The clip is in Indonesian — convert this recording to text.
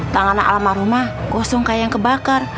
tangan almarhumah kosong kayak yang kebakar